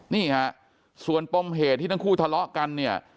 นี่ฮะส่วนปมเหตุที่ทั้งคู่ทะเลาะกันเนี่ย